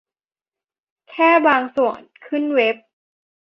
แค่บางส่วนขึ้นเว็บ